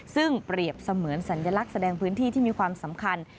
ซึ่งเปรียบเสมือนสัญลักษณ์แสดงพื้นที่ที่มีความสำคัญ